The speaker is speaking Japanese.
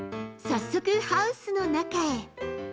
早速ハウスの中へ。